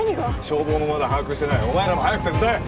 消防もまだ把握してないお前らも早く手伝え！